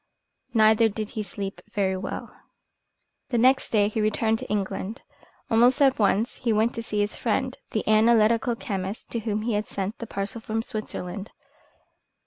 Neither did he sleep very well. The next day he returned to England. Almost at once he went to see his friend, the analytical chemist, to whom he had sent the parcel from Switzerland.